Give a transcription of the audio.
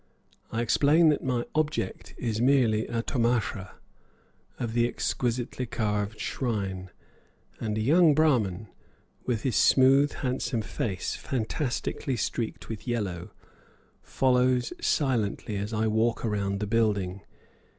I explain that my object is merely a "tomasha" of the exquisitely carved shrine, and a young Brahman, with his smooth, handsome face fantastically streaked with yellow, follows silently behind as I walk around the building.